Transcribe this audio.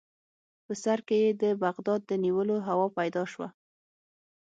په سر کې یې د بغداد د نیولو هوا پیدا شوه.